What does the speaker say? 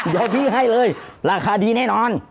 ยอมพี่ให้เลยราคาดีแน่นอน